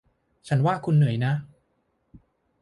ฉันว่าคุณเหนื่อยนะ